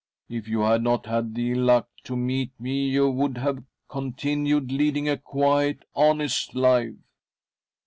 If you had n6t had the ill luck to meet me you would have continued leading a quiet, honest life.